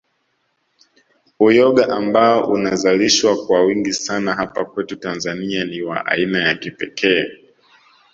Uyoga ambao unazalishwa kwa wingi sana hapa kwetu Tanzania ni wa aina ya kipekee